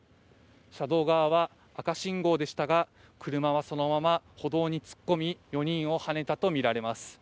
車道側は赤信号でしたが、車はそのまま歩道に突っ込み、４人をはねたとみられます